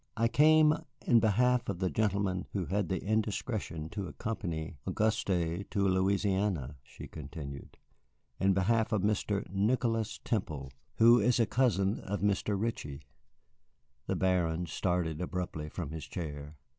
"I came in behalf of the gentleman who had the indiscretion to accompany Auguste to Louisiana," she continued, "in behalf of Mr. Nicholas Temple, who is a cousin of Mr. Ritchie." The Baron started abruptly from his chair.